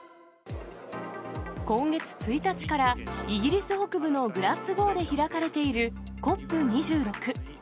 今月１日から、イギリス北部のグラスゴーで開かれているＣＯＰ２６。